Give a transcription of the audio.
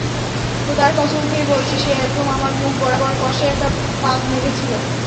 খোদার কসম খেয়ে বলছি, সে একদম আমার মুখ বরাবর কষে একটা পাদ মেরেছিল।